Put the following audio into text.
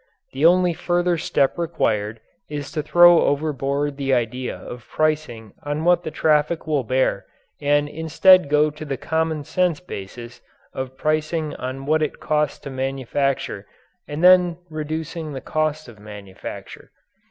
The only further step required is to throw overboard the idea of pricing on what the traffic will bear and instead go to the common sense basis of pricing on what it costs to manufacture and then reducing the cost of manufacture.